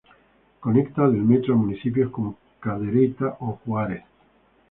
Conecta del metro a municipios como Cadereyta o Juárez.